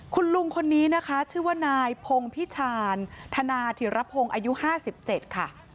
คุณลุงคนนี้นะคะชื่อว่านายพงพิชาญธนาธิรพงศ์อายุ๕๗ค่ะ